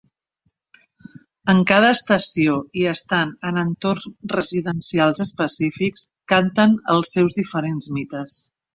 En cada estació i estant en entorns residencials específics, canten els seus diferents mites.